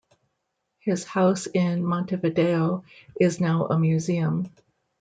His house in Montevideo is now a museum.